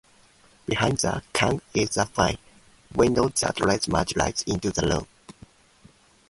Behind the "Kang" is a fine window that lets much light into the room.